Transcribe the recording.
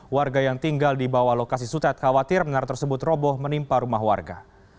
warga yang tinggal di bawah lokasi sutet khawatir menara tersebut roboh menimpa rumah warga